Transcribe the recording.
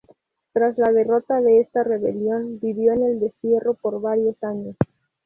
Tras la derrota de esta rebelión vivió en el destierro por varios años.